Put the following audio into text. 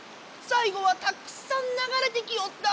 さいごはたくさんながれてきおった！